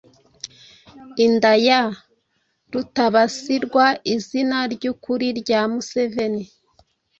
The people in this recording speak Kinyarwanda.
inda ya “Rutabasirwa”, izina ry’ukuri rya Museveni.